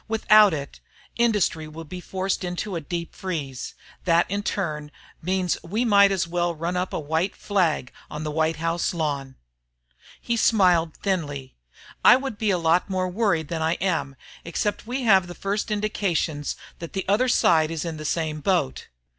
Without it, industry will be forced into a deep freeze. That in turn means we might as well run up a white flag on the White House lawn." He smiled thinly. "I would be a lot more worried than I am except we have the first indications that the other side is in the same boat.